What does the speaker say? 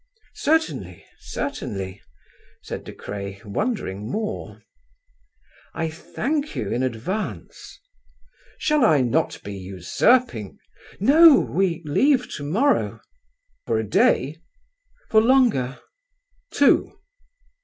"Certainly, certainly," said De Craye, wondering more. "I thank you in advance." "Shall I not be usurping ..." "No, we leave to morrow." "For a day?" "For longer." "Two?"